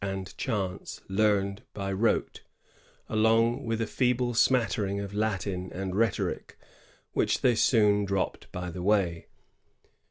and chants learned by rote, along with a feeble smattering of Latin and rhetoric, which they soon dropped by the way.